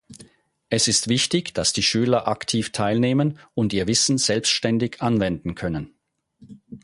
Es ist wichtig, dass die Schüler aktiv teilnehmen und ihr Wissen selbstständig anwenden können.